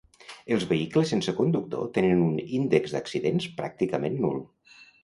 Els vehicles sense conductor tenen un índex d'accidents pràcticament nul.